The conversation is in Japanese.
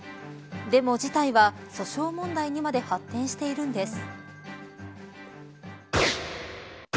でも事態は訴訟問題にまで発展しているんです。